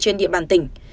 trên địa bàn tỉnh